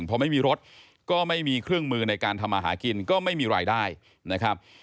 พอไม่มีรถก็ไม่มีเครื่องมือในการทำอาหารกินก็ไม่มีรายได้นะครับ